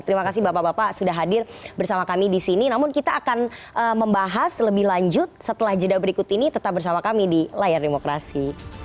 terima kasih bapak bapak sudah hadir bersama kami di sini namun kita akan membahas lebih lanjut setelah jeda berikut ini tetap bersama kami di layar demokrasi